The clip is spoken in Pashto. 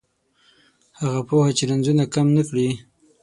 هغه پوهه چې رنځونه کم نه کړي